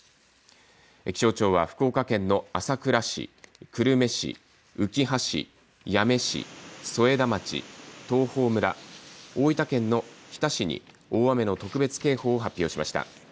気象庁は福岡県の朝倉市、久留米市、うきは市、八女市、添田町、東峰村、大分県の日田市に大雨の特別警報を発表しました。